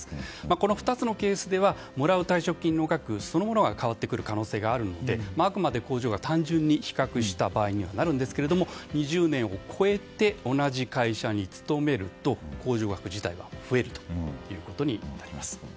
この２つのケースではもらう退職金の額そのものが変わってくる可能性があるのであくまで控除額を単純に比較した場合にはなるんですが２０年を超えて同じ会社に勤めると控除額自体が増えるということになります。